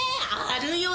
あるよ